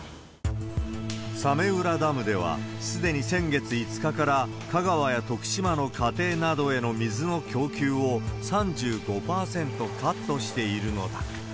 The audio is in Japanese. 早明浦ダムでは、すでに先月５日から香川や徳島の家庭などへの水の供給を３５％カットしているのだ。